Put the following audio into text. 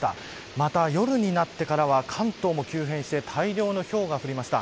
また夜になってからは、関東も急変して大量のひょうが降りました。